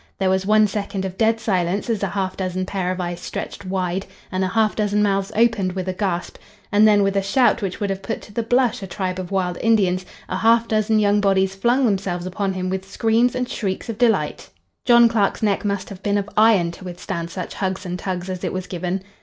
There was one second of dead silence as a half dozen pair of eyes stretched wide and a half dozen mouths opened with a gasp, and then, with a shout which would have put to the blush a tribe of wild Indians, a half dozen young bodies flung themselves upon him with screams and shrieks of delight. John Clark's neck must have been of iron to withstand such hugs and tugs as it was given.